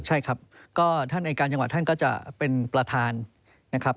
ใช่ครับก็ท่านอายการจังหวัดท่านก็จะเป็นประธานนะครับ